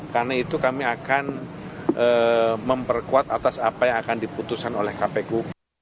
karena itu kami akan memperkuat atas apa yang akan diputuskan oleh kpku